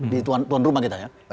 di tuan rumah kita ya